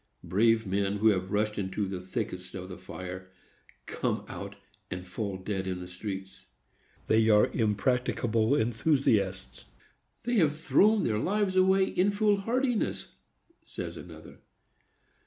Brave men, who have rushed into the thickest of the fire, come out, and fall dead in the street. "They are impracticable enthusiasts. They have thrown their lives away in foolhardiness," says another.